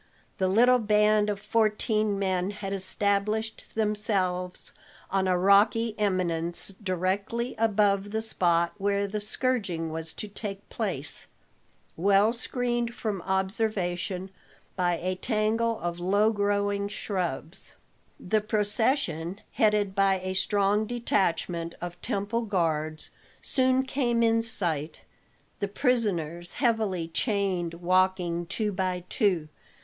The little band of fourteen men had established themselves on a rocky eminence directly above the spot where the scourging was to take place, well screened from observation by a tangle of low growing shrubs. The procession, headed by a strong detachment of temple guards, soon came in sight, the prisoners heavily chained walking two by two.